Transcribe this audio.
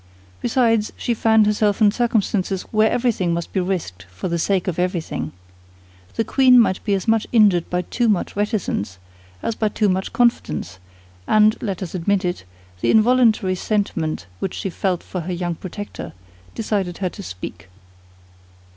Besides, she found herself in circumstances where everything must be risked for the sake of everything. The queen might be as much injured by too much reticence as by too much confidence; and—let us admit it—the involuntary sentiment which she felt for her young protector decided her to speak.